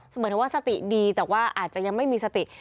เหมือนว่าสติดีแต่ว่าอาจจะยังไม่มีสติ